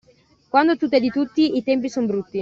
Quando tutto è di tutti, i tempi sono brutti.